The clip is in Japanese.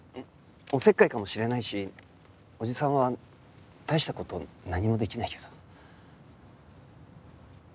おせっかいかもしれないしおじさんは大した事何もできないけど。